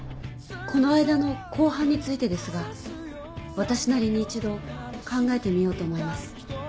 この間の公判についてですが私なりに一度考えてみようと思います。